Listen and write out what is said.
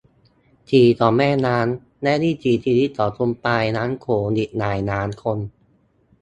สีของแม่น้ำ และวิถีชีวิตของคนปลายน้ำโขงอีกหลายล้านคน